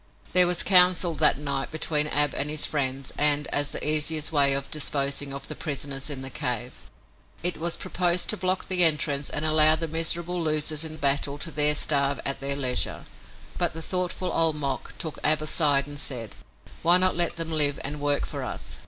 There was council that night between Ab and his friends and, as the easiest way of disposing of the prisoners in the cave, it was proposed to block the entrance and allow the miserable losers in battle to there starve at their leisure. But the thoughtful Old Mok took Ab aside and said: "Why not let them live and work for us?